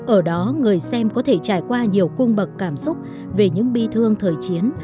ở đó người xem có thể trải qua nhiều cung bậc cảm xúc về những bi thương thời chiến